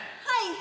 はい。